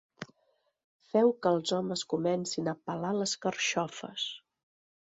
Feu que els homes comencin a pelar les carxofes.